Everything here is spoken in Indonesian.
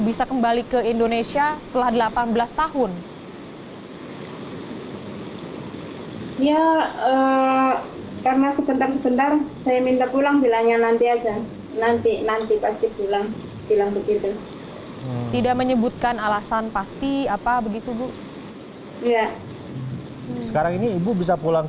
bilang begitu tidak menyebutkan alasan pasti apa begitu ya sekarang ini ibu bisa pulang